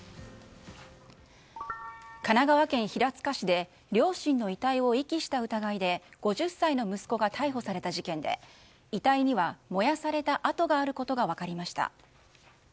神奈川県平塚市で両親の遺体を遺棄した疑いで５０歳の息子が逮捕された事件で遺体には燃やされた跡があることが分かりました。